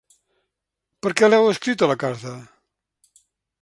Per què l’heu escrita, la carta?